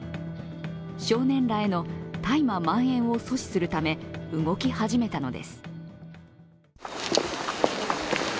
少年らへの大麻まん延を阻止するため動き始めたのです。